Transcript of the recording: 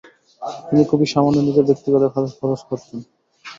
তিনি খুব সামান্যই নিজের ব্যক্তিগত কাজে খরচ করতেন।